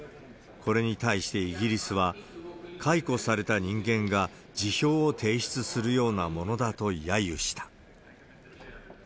これに対してイギリスは、解雇された人間が辞表を提出するようなものだとやゆした。